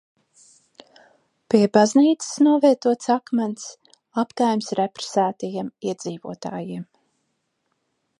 Pie baznīcas novietots akmens apkaimes represētajiem iedzīvotājiem.